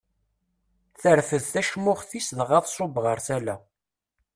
Terfed tacmuxt-is dɣa tṣubb ɣer tala.